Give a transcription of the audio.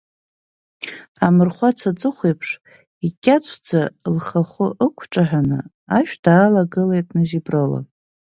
Амырхәац аҵыхәа еиԥш, икьацәӡа лхахәы ықәҿаҳәаны ашә даалагылеит Назиброла.